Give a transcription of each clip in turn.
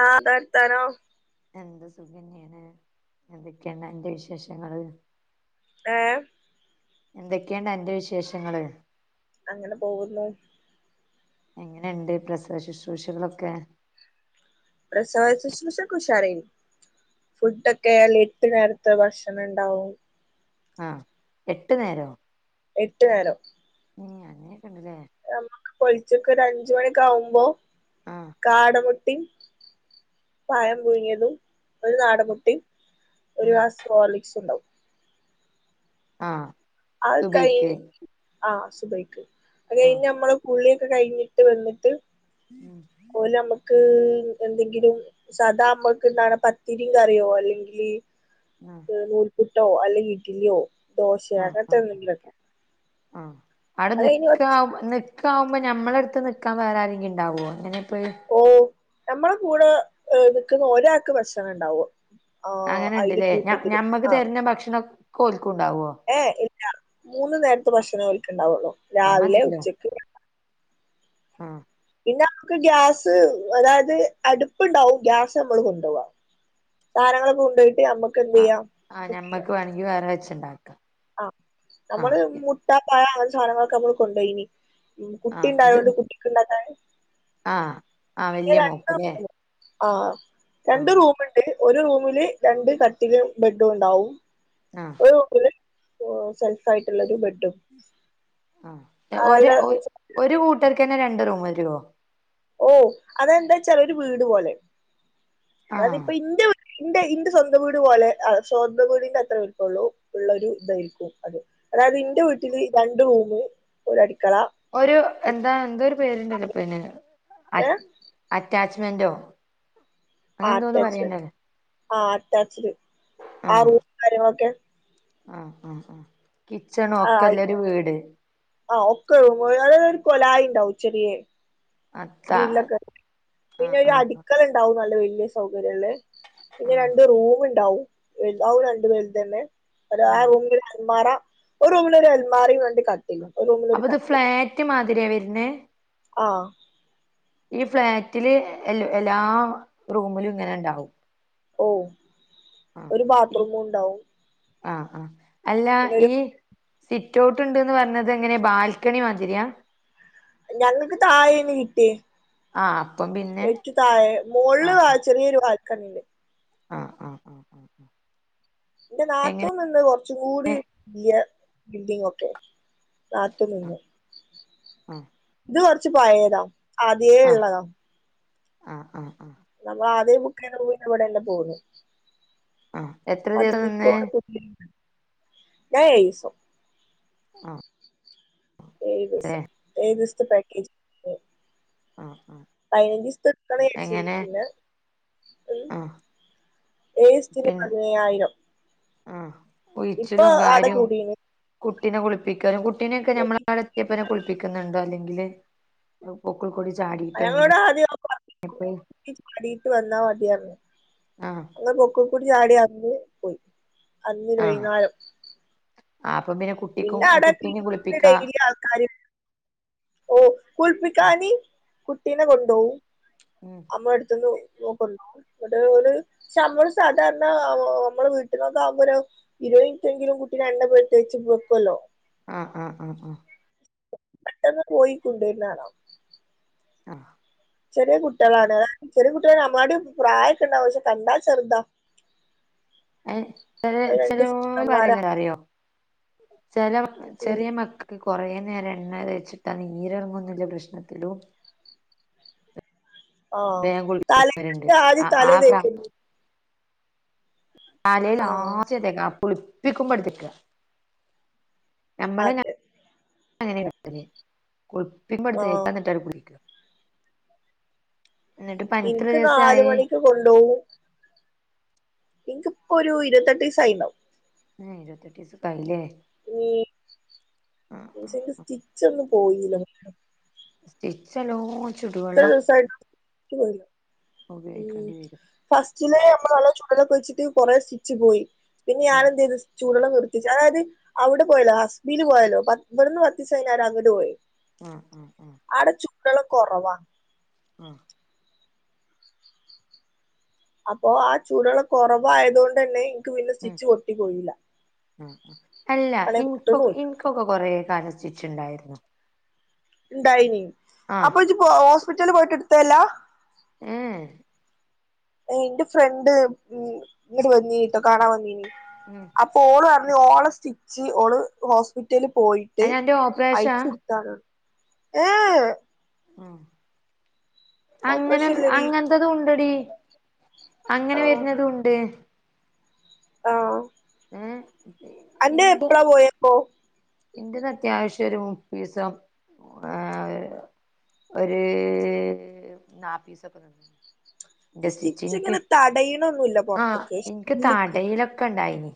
ആഹ് എന്താ വർത്താനോം? എന്ത സുഖന്നേണ് എന്തൊക്കെയാണ് അന്റെ വിശേഷങ്ങള് ഏഹ് എന്തൊക്കെയണ്ട് അന്റെ വിശേഷങ്ങള് അങ്ങനെ പോകുന്നു. എങ്ങനെണ്ട് പ്രസവ ശുശ്രൂഷകളൊക്കെ പ്രസവ ശ്രുശൊക്കെ ഉഷാറെയ്നിം ഫുഡോക്കെ അയില് എട്ടു നേരത്തെ ഭക്ഷണം ഇണ്ടാവും ആഹ് എട്ടു നേരോ എട്ടു നേരം ഏഹ് അങ്ങനൊക്കെണ്ട് ലെ നമ്മുക്ക് പൊൽച്ചക്ക് ഒര് അഞ്ച് മണിയൊക്കെ ആവുമ്പോ ആഹ് കാടമുട്ടിം പയം പുഴുങ്ങിയതും ഒരു നാടം മുട്ടിം ഒരു ഉം ഗ്ലാസ് ഹോർലിക്സ് ഇണ്ടാവും ആഹ് അത് കയി സുബയ്ക്ക് ആഹ് സുബയ്ക്ക് അത് കഴിഞ് ആഹ് ഞമ്മള് കുളിയൊക്കെ കഴിഞ്ഞിട്ട് വന്നിട്ട് ഉം ഓലമ്മക്ക് എന്തെങ്കിലും സധാ അമ്മക്ക് ഇണ്ടാവണ പത്തിരിം കറിയോ അല്ലെങ്കില് ആഹ് നൂൽപുട്ടോ അല്ലെങ്കി ഇഡ്‌ലിയോ ദോശെ ആഹ് അങ്ങൻത്തെ ആഹ് എന്തെങ്കിലൊക്കെ അത് കഴിഞ്ഞ ക്കാവുമ്പോ ഞമ്മളടുത്ത് നിൽക്കാ വേറെ ആരെങ്കി ഇണ്ടാവോ ഇങ്ങനെ ഇപ്പൊ ഈ ഓഹ് ഞമ്മളെ കൂടെ നിക്കുന്ന ഒരാക്ക് ഭക്ഷണം ഇണ്ടാവും അങ്ങനെ ഇണ്ട്ലെ ഞ ഞമ്മക്ക് തരുന്ന ഭക്ഷണൊക്കെ ഓൽക്കും ഇണ്ടാവോ? ഏഹ് ഇല്ല മൂന്ന് നേരത്തെ ഭക്ഷണം ഓൽക്ക് ഇണ്ടാവൊള്ളു ആ മതിലിലോ ആഹ് പിന്നെ നമുക്ക് ഗ്യാസ് അതായത് അടുപ്പുണ്ടാവും ഗ്യാസ് നമ്മള് കൊണ്ടുപോകുവാ സാധങ്ങളൊക്കെ കൊണ്ട്‌ പോയിട്ട് നമ്മ- ആഹ് ആ ഞമ്മക്ക് വേണമെങ്കി വേറെ വെച്ചുണ്ടാക്കാം ആഹ് നമ്മള് ആഹ് മുട്ട പഴം അങ്ങനത്തെ സാധനങ്ങളൊക്കെ നമ്മള് കൊണ്ടുപോയിനി ആഹ് ഇത് കുട്ടിയിണ്ടായോണ്ട് കുട്ടിക്കുള്ളതാണ് ആഹ് ആ വലിയ മോക്ക്‌യില്ലേ ആ രണ്ട് റൂമ് ഇണ്ട് ഒരു റൂമില് രണ്ട് കട്ടില് ബെഡും ഉണ്ടാവും ആഹ് [unintelligible] സെൽഫ്‌ ആയിട്ടുള്ളരു ബെഡും ആ അല്ല ഒ ഒരു കൂട്ടർക്ക് തന്നെ രണ്ട് റൂം വരുവോ ഓ അതെന്താ ചെറിയ ഒരു വീട് പോലെ ആഹ് അതിപ്പ ഇന്റെ- ഇന്റെ ഇന്റെ സ്വന്തം വീട് പോലെ സ്വന്തം വീടിന്റെ അത്ര വലപ്പുള്ളൂ ഉള്ള ഒരു ഇതായിരിക്കും അത് അതായത് എന്റെ വീട്ടില് രണ്ട്‌ റൂമും ഒരു അടുക്കള ഒരു എന്താ എന്തോ ഒരു പേരുണ്ടല്ലോ പിന്നെ ഏ അറ്റാച്ച്മെന്റോ ആ അങ്ങനെ എന്തോന്ന് അറ്റാച്ച്മെന്റ് പറയണ്ടല്ലോ ആ അറ്റാചിഡ് ആ ആഹ് റൂമ് മരുമോൾക്ക് ആഹ് ആഹ് ആഹ് കിച്ചണും ആ ഒക്കെ ഉള്ളൊരു വീട് ആ ഒക്കെ ഒരു [unintelligible] കൊലായണ്ടാവും ചെറിയേ അത്ത ഗ്രില്ലൊക്കെ പിന്നെ ആഹ് ഒരു ആഹ് അടിക്കൽ ഉണ്ട് ണ്ടാവും നല്ല വലിയ സൗകര്യംയുള്ളെ പിന്നെ ആഹ് രണ്ട് റൂമ് ഉണ്ടാവും ണ്ട് വലുത തന്നെ ഒ ആ ആഹ് റൂമിലൊരു അലമാര [unintelligible] ഒരു റൂമിൽ ഒരു അലമാരയും വേണ്ടി ക [unintelligible] [unintelligible] അപ്പൊ ഇത് ഫ്ളാറ്റ് മാതിരിയാ വരുന്നെ ആഹ് ഈ ഫ്ളാറ്റില് എ എല്ലാ റൂമിലും ഇങ്ങനെ ഉണ്ടാവും ഓ ഒരു ആഹ് ബാത്ത്റൂമും ഉണ്ടാവും ആഹ് ആഹ് അല്ല പിന്നെ ഒരു ഈ- സിറ്റ് ഔട്ട് ഉണ്ട് എന്ന് പറഞ്ഞത് എങ്ങനെയാ ബാൽക്കണി മാതിരിയ ഞങ്ങക്ക് താഴേന്ന് കിട്ടിയെ ആഹ് അപ്പം പിന്നെ എനിക്ക് താഴെ മോളില് ആഹ് വാ- ചെറിയൊരു വാൽകണിയില് ആഹ് ആഹ് ആഹ് എന്റെ എങ്ങനെ നാത്തൂൻ നിന്ന് കുറച്ചും കൂടി വലിയ ബിൽഡിങ് ഒക്കെ നാട്ടിൽ [unintelligible] നിന്ന് ആഹ് ഇത് കൊറച്ച് പഴയതാ ആദിയെ ആഹ് ഉള്ളതാ ആഹ് ആഹ് ആഹ് നമ്മള് ആദ്യം ബുക്ക് ചെയ്ത് പോകുന്നു ഇന്ന് ഇവിടെ നിന്ന് പോകുന്നു ആഹ് എത്ര ദിവസം നിന്നേ പിക്കടെ ഞൻ [unintelligible] യയ്സോ ആഹ് ഏഴ് അതെ ദിവസം ഏഴ് ദിവസത്തെ പാക്കേജ് ആഹ് ആഹ് പതിനഞ്ച് ദിവസത്തെ എടുക്കണേ ചേച്ചി എങ്ങനെ പിന്നെ - ആഹ് ഏഴ് ദിവസത്തിന് പിൻ പതിനയ്യായിരം ആഹ് ഇപ്പൊ ഉഴിച്ചിലും ആടെ കാര്യവും- കൂടീണ് കുട്ടിനെ കുളിപ്പിക്കാനും കുട്ടിനൊക്കെ ഞമ്മള് അവിടെ എത്തിപ്പനെ കുളിപ്പിക്കുന്നുണ്ടോ അല്ലെങ്കില് പൊക്കിൾ കൊടി ചാടി ഞങ്ങളോട് [inaudible] വന്നാ മതി പറഞ്ഞ് ആഹ് പൊക്കിൾക്കുടി ചാടി അന്ന് പോയി അന്ന് വൈന്നേരം ആ അപ്പൊ പിന്നെ കുട്ടിക്കും ആടെ കുട്ടീനെ കുളിപ്പിക്കാ ഡെയിലി ആൾക്കാര് കുൾപ്പിക്കാനി കുട്ടീനെ കൊണ്ടോവും ഉം അമ്മ അടുത്തുന്ന് നോക്കള്ളോ ഇവിടെ ഒരു ശമ്പൾ സാധാരണ നമ്മള് വീട്ടിനൊക്കെ ആകുമ്പോലോ ഇരുപത് മിനിട്ടെങ്കിലും കുട്ടിനെ എണ്ണ തേച്ച് വെക്കുല്ലോ ആഹ് ആഹ് ആഹ് ആഹ് പെട്ടെന്ന് പോയിക്കൊണ്ടുന്നാണോ ആഹ് ചെറിയ കുട്ടികളാണ് അത് ചെറിയ കുട്ടീള നമ്മാട് പ്രായൊക്കെ ഉണ്ടാവും പക്ഷെ കണ്ടാ ചെറുതാ ! ! ! ! ! ! ! [unintelligible] അത് ചില രണ്ട് ചെക്കന്മാരാ പറേല്ലൊ അറിയോ ചില ഉം ചെറിയ മക്ക ക്ക് കുറേ നേരം എണ്ണ തേച്ചിട്ടാ നീരിറങ്ങന്നില്ല പ്രശ്നത്തിലും ആഹ് വേഗം തലേ കുളിപ്പിക്കുന്നവരുണ്ട് ആദ്യം ആഹ് തലേ ആഹ് തേക്കരുത് താലേല് ആഹ് ആദ്യം തേക്കാവൂ കുളിപ്പിക്കുമ്പോ എടുത്തേക്ക മ്മളെ അതെ [unintelligible] ആഹ് കുളിപ്പിക്കുപടുത്തേക്കാ എന്നിട്ട് [unintelligible] എന്നിട്ട് പനിക്ക് എത്ര എനിക്ക് നാല് ദിവസായി മണിക്ക് കൊണ്ടോവും ഇൻക്ക് ഇപ്പൊ ഒരു ഇരുത്തെട്ട് ദിവസായിണ്ടാവും മ്ഹ് ഇരുപത്തെട്ട് ദിവസൊക്കെ ആയില്ലേ ആഹ് ഉം ആഹ് സ്റ്റിച്ച് ഒന്നും പോയില്ല സ്റ്റിച്ച് എല്ലോ ഇത്ര ദിവസായിട്ടും പോ ഉപയോഗിക്കേണ്ടി വരും ഫസ്റ്റിലെ നമ്മള് നല്ല ചൂടെള്ളൊക്കെ ഒഴിച്ചിട്ട് കൊറെേ സ്റ്റിച്ച് പോയി പിന്നെ ഞാൻ ആഹ് എന്ത് ചെയ്തു ചൂടുള്ളം നിർത്തിച്ച് അതായത് അവിടെ പോയല്ലോ ഹസ്ബിൽ പോയാലോ ഇവിടുന്ന് പത്തി സൈരം അങ്ങട്ട് പോയി ആഹ് ആഹ് ആഹ് ആടെ ചൂടെള്ളം കുറവാ ആഹ് അപ്പൊ ആ ചൂടുള്ളം കുറവായത് കൊണ്ടന്നെ പിന്നെ ഉം സ്റ്റിച്ച് പൊട്ടി പോയില്ല [unintelligible] ഇപ്പൊക്കെ കുറേ കാലം സ്റ്റിച്ച് ഇണ്ടാരുന്നു ഇണ്ടായിനി ആഹ് അപ്പൊ ഇജ്ജ് ഹോസ്പിറ്റല് പോയിട്ട് എടുത്തല്ലാ ഉം എന്റെ ഫ്രണ്ട് ഉം ഇങ്ങോട് വന്നീട്ടോ കാണാൻ വന്നീന് ആഹ് അപ്പ ഓള് പറഞ്ഞ് ഓള് സ്റ്റിച്ച് ഓള് ഹോസ്പിറ്റലിൽ പോയിട്ട് അയിന് അന്റെ ഓപ്പറേഷാ അയച്ച ഏഹ് ആഹ് അങ്ങനെ ഓപ്പറേഷൻ ഇല്ലടി അങ്ങനത്തതും ഉണ്ടടി അങ്ങനെ ആഹ് വരുന്നതും ഉണ്ട് ആഹ് ഉം അന്റെ എപ്പളാ പോയപ്പോ എൻ്റത് അത്യാവശ്യം ഒരു മുപ്പീസം ഏഹ് ഒര് നാപ്പീസൊക്ക ഇന്റെ സ്റ്റിച്ച് ഇന്ക്ക് ഇങ്ങനെ തടയണൊന്നുല്ല ആഹ് പൊറത്ത്ക്ക് ഇന്ക്ക് ഉള്ള്ക്ക് താടയിലൊക്ക ഇണ്ടായിനി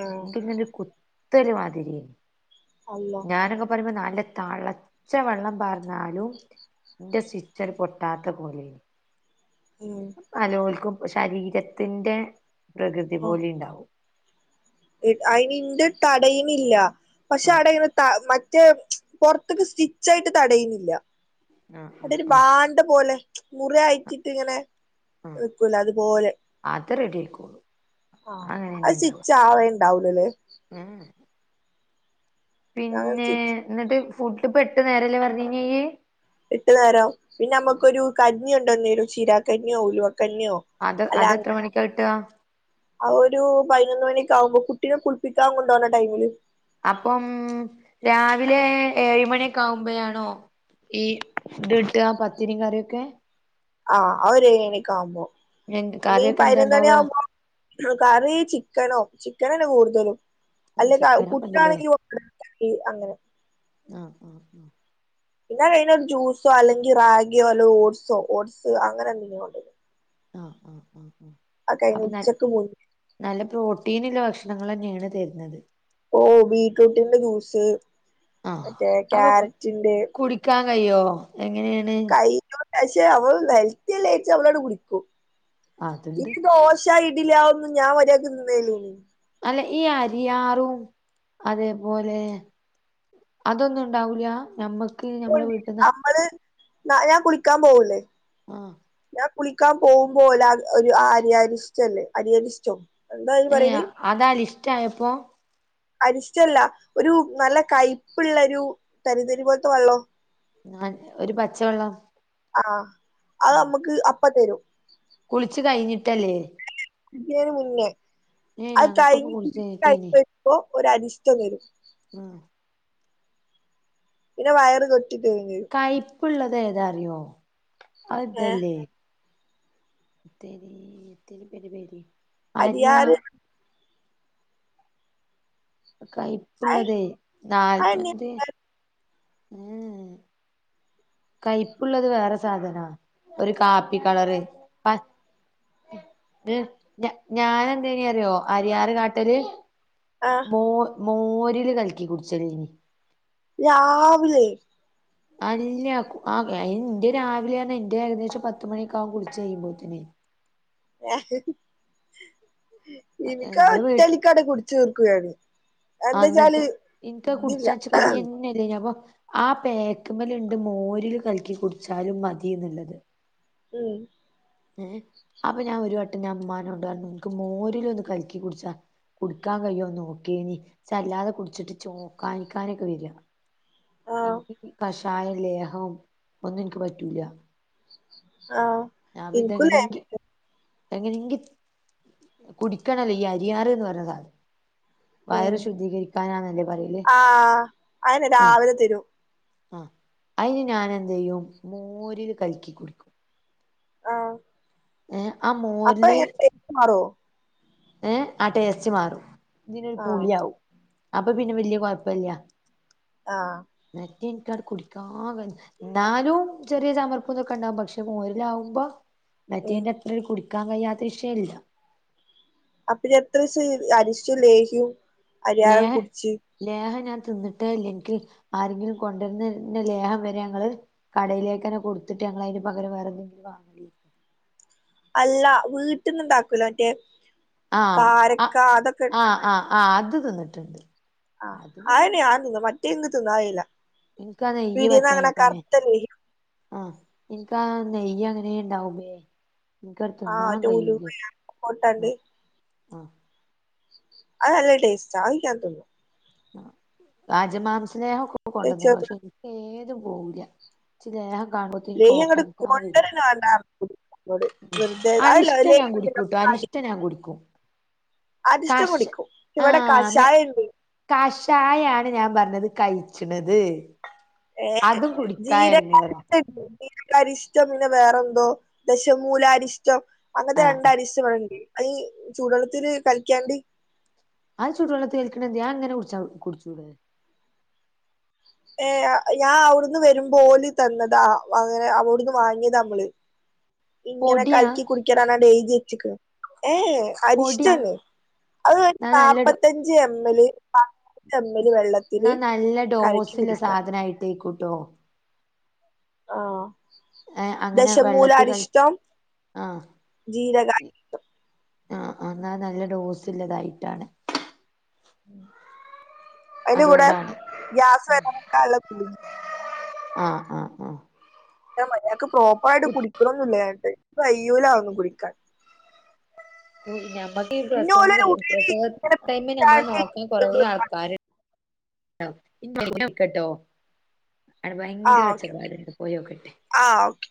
ഏഹ് ഇന്ക്ക് ഇങ്ങനൊരു കുത്തല് മാതിരി യേന്നു അള്ളാ ഞാനൊക്ക പറിമ്പോ നല്ല തളച്ച വള്ളം പാർന്നാലും ഇന്റെ സ്റ്റിച്ചണ്ട് പൊട്ടാത്ത പോലേ ഉം പലോൽക്കും ശരീരത്തിന്റെ പ്രകൃതി പോലെ ഇണ്ടാവും അതിന് ഇന്റെ തടയ്ണില്ല പക്ഷെ ആഹ് അവടെ ഇങ്ങനെ ത മറ്റേ പൊർത്ത്ക്ക് സ്റ്റിച്ചായിട്ട് തടയ്ണില്ല ആഹ് അതൊരു ആഹ് ആഹ് പാണ്ട പോലെ മുറി അയിറ്റ്റ്റ് ഇങ്ങനെ നിക്കൂല അത്പോലെ ആത് റെഡി ആയിക്കോളൂ ആഹ് അത് ചിച്ച് ആവേണ്ടാവൂലല്ലേ ഉം ഞങ്ങ ചിച്ചു ഇന്ന്ട്ട് ഫുഡ് ഇപ്പ എട്ട് നേരല്ലേ പറഞീന്ന് ഇയ്യ് എട്ട് നേരം പിന്നെ അമ്മക്കൊരു കഞ്ഞി കൊണ്ടന്നേരും ചീരാകഞ്ഞോ ഉലുവക്കഞ്ഞോ അത് അത്എത്ര മണിക്കാകിട്ടാ അ ഒരു പതിനൊന്ന് മണിക്കാവുമ്പോ കുട്ടിനെ കുളപ്പിക്കാ കൊണ്ടോണ ടൈമില് അപ്പം രാവിലെ ഏയ്മണി ഒക്ക ആവുമ്പഴണോ ഈ ത്‌ട്ട പത്തിരിം കറിയൊക്കെ ആഹ് അഒരു ഏയ്മണിക്ക ആവുമ്പോ പിന്നെ ഈ കറിയൊക്കെ എന്താ പയ്നൊന്നണി ഉണ്ടാവ ആവുമ്പോ കറി ചിക്കനോ ചിക്കനാണ് കൂട്തലും അല്ലെങ്കി ആ ചിക്കനൊക്കെ ഉണ്ടല്ലേ കുട്ടാണെങ്കി [unintelligible] അങ്ങനെ ആഹ് ആഹ് ആഹ് പിന്നെ അത് കഴിഞ്ഞ ഒരു ജൂസോ അല്ലങ്കി റാഗോ അല്ല ഓട്സോ ഓട്സ് അങ്ങനെ എന്തെങ്കിലും കെണ്ടരും ആഹ് ആഹ് ആഹ് ആഹ് ആത് കഴിഞ് അപ്പൊ ന ഉച്ചക്ക് പോ നല്ല പ്രോട്ടീന്ള്ള ഭക്ഷണങ്ങളന്നേണ് തെര്ന്നത് ഇപ്പോ ബീറ്റ്റൂട്ടിന്റെ ജ്യൂസ് മറ്റേ ക്യാരറ്റിന്റെ ക്കാൻ കയ്യോ എങ്ങനെണ് [unintelligible] പക്ഷേ അവൾ ഹെൽത്തി എല്ലേച്ച് അവളട് കുടിക്കും ഈ അത്ണ്ട് ദോ ശ ഇഡിലി അതൊന്നും ഞാൻ മര്യാക്ക് തിന്നേലൊന്നുല്ല അല്ല ഈ അരിയാറും അതേപോലെ അതൊന്നും ഉണ്ടാവൂല്ല നമ്മ - നമ്മള് നാ ഞാ കുളിക്കാ പോവൂല്ലേ ആഹ് ഞാ കുളിക്കാ പോവുമ്പോ ഓലാ ഒര് ആര്യ അരീഷ്ടല്ലേ അരിയരി ഇഷ്ട്ടേ ഏഹ് അതലിഷ്ട്ട ആയപ്പോ അരിഷ്ട്യല്ല ഒരു നല്ല കയ്പ്പ്ള്ള ഒരു തരിതരി പോല്ത്ത വള്ളോ ഞാൻ ഒരു പച്ചവെള്ളം ആഹ് അത് അമ്മക്ക് അപ്പ തരും കുളിച്ച് കഴിഞ്ഞിട്ടല്ലേ കുളിക്ക്ണേന് മുന്നേ ഏഹ് അത് ഞങ്ങക്കൊക്കെ കഴിഞ്ഞ് കുളിച്ച് കുളി കഴിഞ്ഞ്. കഴിഞ്ഞിട്ടേനി വരുമ്പോ ഒരരിഷ്ടം തരും ഉം പിന്നെ വയറ് കെട്ടി തരും ചിയ്യും കൈപ്പ്ള്ളത് ഏതാ അറിയോ അത് ഏഹ് ഇതല്ലേ തെരി [unintelligible] അരിയ അരിയാര് അഹ് കയ്പ്പ്ള്ളതേ അതെന്നെ നാല്പ്തി കയ്പ്പ്ള്ളത് വേറെ സാധനാ ഒരു കാപ്പി കളറ് പ ഇത് ഞാ ഞാനെന്തേനി അറിയോ അരിയാര് കാട്ടല് ആഹ് മോൾ മോരില് കലിക്കി കുടിച്ചലേനി രാവിലെ അല്ല കു ആഹ് അയിന് ഇന്റെ രാവിലേയർഞ്ഞാ ഇന്റെ ഏകദേശം പത്ത് മണിയൊക്കാവും കുളിച്ച് കഴിയുമ്പോത്തിന് ഇന്ക്കാ നമ്മള് ഒറ്റ വീ വലിക്കാട്ട് കുടിച്ചീർക്കും ഞാന് ആ എന്തെച്ചാല് ഇതില്ല ന്നെല്ലേന്യോ അപ്പൊ ആഹ് പേക്ക്മ്മല് ഇണ്ട് മോരിലും കലക്കി കുടിച്ചാല് മതിന്ന്ള്ളത് ഉം ഏഹ് അപ്പം ഞാൻ ഒരു വട്ടം ഞാൻ ഇമ്മാനോണ്ടറഞ്ഞു ഇന്ക്ക് മോരിലൊന്ന് കല്ക്കി കുടിച്ചാ കുടിക്കാൻ കയ്യോ നോക്കേനി ഇച്ചെല്ലാതെ കുടിച്ചിട്ട് ഇച്ചോക്കാനിക്കാനൊക്കെ വെര്യാ ആഹ് ഇന്ക്ക് കി കഷായം ലേഹവും ഒന്നും ഇന്ക്ക് പറ്റൂല ആഹ് അപ്പയിത് ഇൻക്കുല്ലേ എങ്ങനെങ്കി എങ്ങനെങ്കി കുടിക്കണല്ലോ ഈ അരിയാറ്ന്ന് പർഞ്ഞ സാധനം ഉം വയറ് ശുദ്ധീകരിക്കാനാന്നല്ലേ പറയല് ആഹ് അയെന്നെ ആഹ് രാവിലെ തരും ആഹ് അയിന് ഞാനന്തെയ്യും മോരില് കലക്കി കുടിക്കും ആഹ് ഏഹ് ആ മോ അപ്പയെ ടേസ്റ്റ് മാറോ ഏഹ് ആഹ് ടേസ്റ്റ് മാറും ഇതിനൊരു ആഹ് പുളിയാവും അപ്പം പിന്നെ വെല്ല്യ കൊഴപ്പല്ല ആഹ് മറ്റേ ഇന്ക്കാട്ട് കുടിക്കാന് ക ഇന്നാലും ചെറിയെ ചമർപ്പ് ഇതൊക്കെ ഇണ്ടാവും പക്ഷേ മോരിലാവുമ്പം ഉം മറ്റേയിന്റെ അത്ര ഒരു കുടിക്കാൻ കഴിയാത്ത വിഷയല്ല അപ്പയെ എത്ര ദിവസം ഈ അരിഷ്ടും ലേഹ്യും ലേഹം ലേഹം ഞാൻ തിന്ന്ട്ടെ ഇല്ലാ ഇന്ക്ക് ആരെങ്കിലും കൊണ്ടോന്നര്ന്ന ലേഹം വരെ ഞങ്ങള് കടയിലേക്കന്നെ കൊട്ത്തിട്ട് ഞങ്ങള് അയിന് പകരം വേറെ എന്തെങ്കിലു വാങ്ങലേ അല്ല വീട്ട്ന്ന ഇണ്ടാക്കുല്ലെ മറ്റേ കാരക്ക അതൊക്കെ ആഹ് അത് തിന്ന്ട്ട്ണ്ട് ആഹ് അയെന്നെ ഞാൻ തിന്നും മറ്റേ ഇന്ക്ക് തിന്നാ കയ്യില്ലാ എനിക്കാ നെയ്യ് പിടീന്ന് വാങ്ങ്ണെ പറ്റാഞ്ഞിട്ടാണേ കറുത്ത ലേഹ്യം ആഹ് ഇന്ക്കറ നെയ്യ് അങ്ങനെ ഇണ്ടാവുമ്പേ ഇന്ക്കാട് ആഹ് തിന്നാൻ മറ്റേ ഉലുവ കയ്യൂലെ പൊട്ടാണ്ട് [unintelligible] അഹ് നല്ല ടേസ്റ്റാ അഹ് ഞാൻ തിന്നും ആഹ് അജമാംസ് ലേഹൊക്കെ കൊണ്ടോന്നിന് പക്ഷേ ഇന് ക്കേതും പോവൂല ഇച്ച് ലേഹം കാണുമ്പോ ലേഹ്യങ്ങട്ട് കൊണ്ടരന്നെ വാണ്ടാ [unintelligible] വെറുതെ അഹ് എല്ലാ [unintelligible] പ്പം ഞാൻ കുടിക്കും അരിഷ്ടം കഷ് കുടിക്കും പക്ഷേ ഇവെടെ ആഹ് മെ കഷായണ്ട് കഷായാണ് ഞാൻ പറഞ്ഞത് കയിച്ച്ണത് ഏഹ് ജീരകം ഇട്ട് ജീരകാരിഷ്ടം പിന്നെ വേറെന്തോ ദശമൂലാരിഷ്ടം അങ്ങനത്തെ ആഹ് രണ്ട് ആഹ് അരിഷ്ടം ഇവടണ്ട് അതീ ചൂടെള്ളത്തില് കലക്കിയാണ്ട് അത് ചുടെള്ളത്തി കൽക്കണെന്തെ അയങ്ങനെ കുടി കുടിച്ചുടെ ഏന് ഞാൻ അവിടുന്ന് വരുമ്പോ ഓല് തന്നതാ അങ്ങനെ അവിടുന്ന് വാങ്ങിയതാമ്മള് ഇങ്ങനെ പൊടിയാ കലക്കി കുടിക്കണന്നാണ്ട് എയ്തിവെച്ചക്ക്ണ് ഏഹ് പൊടിയാ അരിഷ്ടവില്ലെ അത് ഇന്നാ നല്ല ഡോ നാപ്പത്തഞ്ച് എം മ്മല് നൽപ്പത്തഞ്ച് എം മ്മല് വെള്ളത്തിന് കലക്കി കുടിക്കാ ലേക്കുട്ടോ ആഹ് ഏഹ് അങ്ങനെ വെള്ളത്തി കൽ ദശമൂലാരിഷ്ടം ആഹ് ജീരകാ ആഹ് എന്നാ നല്ല ഡോസ് ഇള്ളതായിട്ടാണ് അതിന്റെ കൂടെ അതുകൊണ്ടാണ് ഗ്യാസ് വരാതിക്കാനുള്ള ഗുളികെം ആഹ് ആഹ് ആഹ് ഞാൻ മര്യാദക്ക് പ്രോപ്പർ ആയിട്ട് കു കുടിക്കണൊന്നില്ല ഞാന്നിട്ട് ഇക്ക് വയ്യൂല ആന്നു കുടിക്കാൻ ഞമ്മക്ക് ഈ പിന്നെ പ്രസവം ഓലൊരു ഉള്ളില് പ്രസവ ഇങ്ങനെ ടൈമില് നമ്മളെ പീച്ചാണ്ട് നോക്കാൻ കൊറെ എന്തോ ആൾക്കാരുണ്ടാവും പിന്നെ വിളിക്കട്ടോ ആടെ ഭയങ്കര ഒച്ചപാട്ണ്ട് പോയോക്കട്ടെ ആഹ് ഓക്കെ